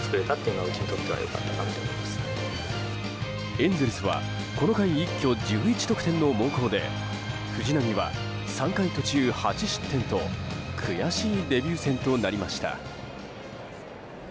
エンゼルスはこの回一挙１１得点の猛攻で藤浪は３回途中８失点と苦しいデビュー戦となりました。